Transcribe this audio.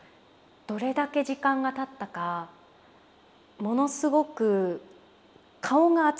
どれだけ時間がたったかものすごく顔が熱くなったんですよね